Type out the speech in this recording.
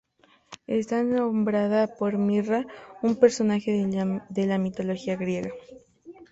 Está nombrado por Mirra, un personaje de la mitología griega.